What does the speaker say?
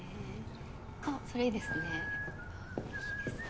あそれいいですね。